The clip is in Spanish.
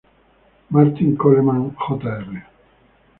Martin Coleman Jr.